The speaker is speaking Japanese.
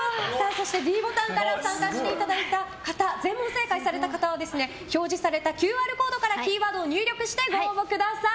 そしてｄボタンから参加していただいた方全問正解された方は表示されたＱＲコードからキーワードを入力してご応募ください。